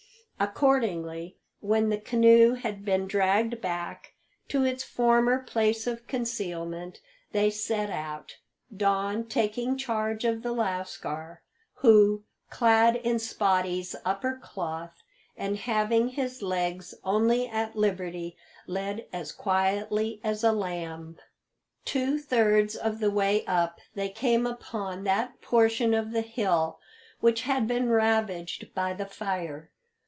Accordingly, when the canoe had been dragged back to its former place of concealment, they set out, Don taking charge of the lascar, who, clad in Spottie's upper cloth, and having his legs only at liberty, led as quietly as a lamb. Two thirds of the way up they came upon that portion of the hill which had been ravaged by the fire.